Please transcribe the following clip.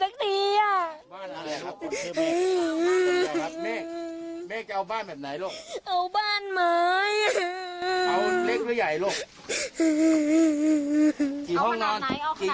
กี่ห้องนอนลูก